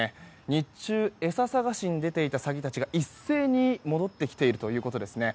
日中、餌探しに出ていたサギたちが一斉に戻ってきているということです。